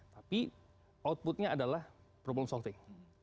tapi outputnya adalah problem solving